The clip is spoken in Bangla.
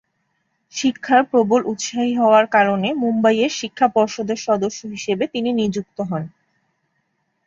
শিক্ষার প্রবল উৎসাহী হওয়ার কারণে মুম্বাইয়ের শিক্ষা পর্ষদের সদস্য হিসেবে তিনি নিযুক্ত হন।